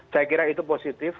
saya kira itu positif